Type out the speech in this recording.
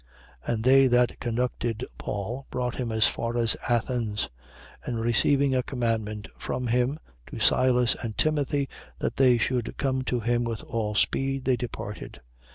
17:15. And they that conducted Paul brought him as far as Athens: and receiving a commandment from him to Silas and Timothy, that they should come to him with all speed, they departed.